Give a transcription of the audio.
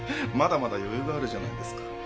まだまだ余裕があるじゃないですか。